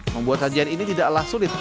membuat sajian ini tidaklah sulit